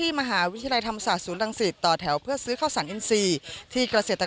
สี่มหาวิทยาลัยธรรมศาสตร์ศูนย์รังศิษฐ์ต่อแถวเพื่อซื้อข้าวสารอินทรีย์ที่เกษตรกรจังหวัดอุทัย